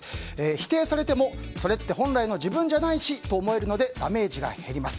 否定されてもそれって本来の自分じゃないしと思えるので、ダメージが減ります。